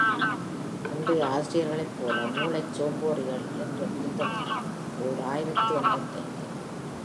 இன்றைய ஆசிரியர்களைப்போல மூளைச் சோம்பேறிகள் என்றும் இருந்ததில்லை, ஓர் ஆயிரத்து எண்பத்தைந்து.